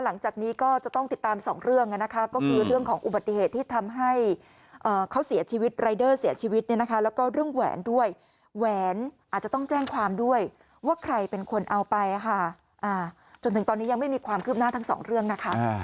และไม่ถามมาถูกออกได้ระหว่างความจนถึงตอนนี้ยังไม่มีความคลึบหน้าทั้งสองเรื่องนะคะ